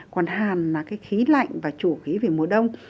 còn hàn là khí lạnh chủ khí mùa đông